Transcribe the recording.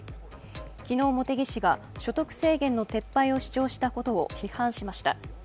昨日、茂木氏が所得制限の撤廃を主張したことを批判しました。